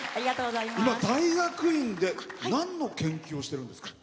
今、大学院でなんの研究をしてるんですか？